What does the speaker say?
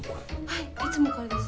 はいいつもこれです。